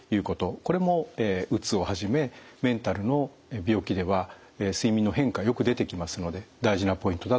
これもうつをはじめメンタルの病気では睡眠の変化よく出てきますので大事なポイントだと思います。